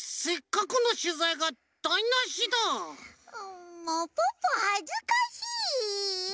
んもうポッポはずかしい。